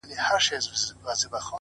زما د زړه کوچۍ پر سپينه زنه خال وهي;